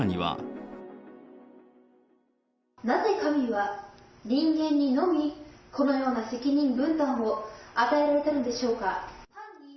なぜ神は、人間にのみこのような責任分担を与えられたのでしょうか。